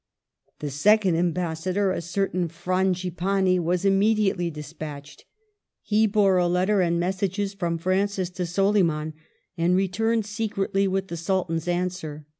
A second ambassador, a certain Frangipani, was immediately despatched ; he bore a letter and messages from Francis to Soliman, and returned secretly with the Sul tan's answer.